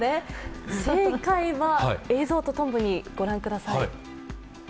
正解は、映像とともに御覧ください。